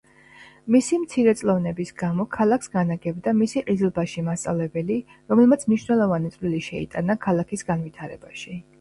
მისი მცირეწლოვნების გამო ქალაქს განაგებდა მისი ყიზილბაში მასწავლებელი, რომელმაც მნიშვნელოვანი წვლილი შეიტანა ქალაქის განვითარებაში.